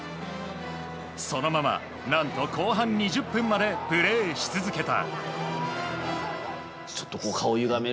そのまま、何と後半２０分までプレーし続けた。